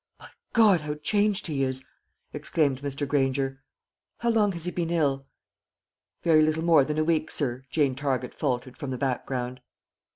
"My God, how changed he is!" exclaimed Mr. Granger. "How long has he been ill?" "Very little more than a week, sir," Jane Target faltered from the background.